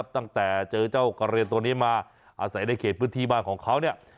ตั้งแต่เจอเจ้ากระเรียนตัวนี้มาอาศัยในเขตพื้นที่บ้านของเขาเนี่ย